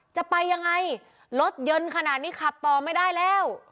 จะไปยังไงรถยนต์ขนาดนี้ขับต่อไม่ได้แล้ว